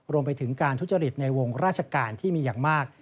รวมไปถึงการทุจริตในวงราชการที่มีอย่างมาก